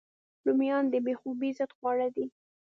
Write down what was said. رومیان د بې خوبۍ ضد خواړه دي